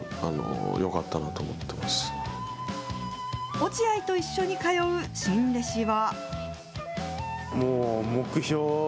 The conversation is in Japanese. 落合と一緒に通う新弟子は。